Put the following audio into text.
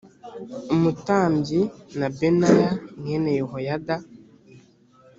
umutambyi na benaya mwene yehoyada